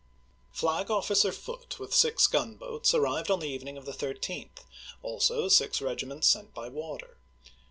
Flag officer Foote, with six gunboats, arrived on the evening of the 13th; also six regiments sent by water.